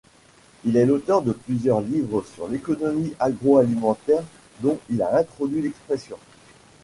Il est l’auteur de plusieurs livres sur l’économie agro-alimentaire dont il a introduit l'expression.